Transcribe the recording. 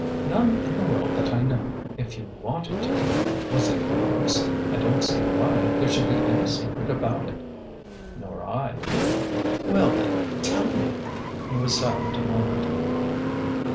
'' None in the world that I know— if you wanted to ! Was it Lois ? I don't see why there should be any secret about it." " Nor 1." Well, then, tell me !" He was silent a moment.